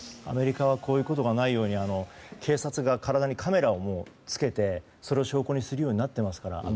アメリカはこういうことがないように警察が体にカメラをつけてそれを証拠にするようになってますから。